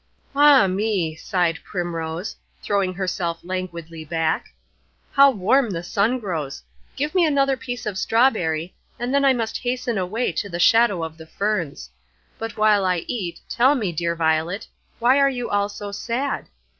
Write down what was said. "Ah me," sighed Primrose, throwing herself languidly back, "how warm the sun grows! give me another piece of strawberry, and then I must hasten away to the shadow of the ferns. But while I eat, tell me, dear Violet, why are you all so sad?